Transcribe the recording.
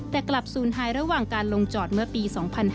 แต่กลับศูนย์หายระหว่างการลงจอดเมื่อปี๒๕๕๙